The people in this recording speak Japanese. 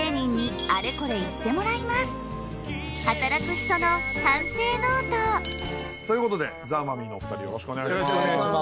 このコーナーではということでザ・マミィのお二人よろしくお願いします。